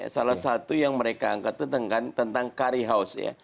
salah satu yang mereka angkat tentang curry house